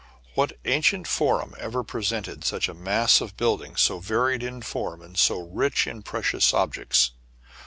What ancient forum ever presented such a mass of buildings, so varied in form, and so rich in precious objects?